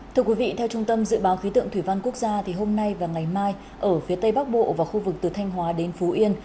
thưa quý vị theo trung tâm dự báo khí tượng thủy văn quốc gia hôm nay và ngày mai ở phía tây bắc bộ và khu vực từ thanh hóa đến phú yên